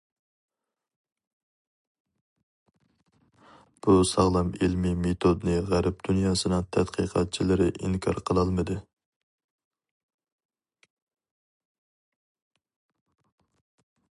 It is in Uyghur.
بۇ ساغلام ئىلمىي مېتودنى غەرب دۇنياسىنىڭ تەتقىقاتچىلىرى ئىنكار قىلالمىدى.